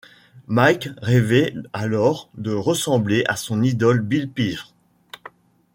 Mike rêvait alors de ressembler à son idole Bill Pearl.